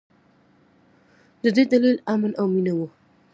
د دې دلیل امن او مینه وه.